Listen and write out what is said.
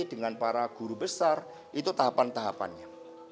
dengan para guru besar itu tahapan tahapannya